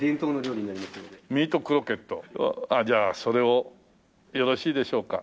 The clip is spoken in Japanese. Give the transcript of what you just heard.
じゃあそれをよろしいでしょうか。